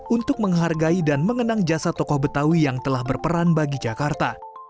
untuk menghargai dan mengenang jasa tokoh betawi yang telah berperan bagi jakarta